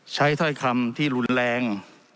ใช้เท้าคำที่รุนแรง